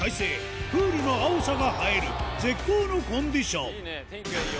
プールの青さが映える絶好のコンディションいいね！